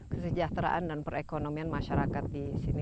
kesejahteraan dan perekonomian masyarakat di sini